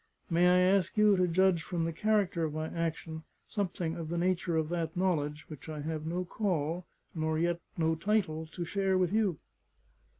May I ask you to judge from the character of my action, something of the nature of that knowledge, which I have no call, nor yet no title, to share with you?"